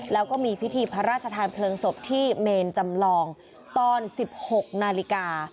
แล้วก็มีพิธีพระราชทานเพลิงศพที่เมนจำลองตอน๑๖นาฬิกา